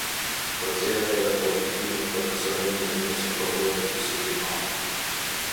Përzgjedhja dhe Kualifikimet për Personelin e Zyrës së Prokurorit Disiplinor.